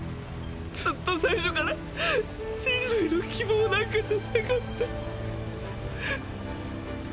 ずっと最初から人類の希望なんかじゃなかった。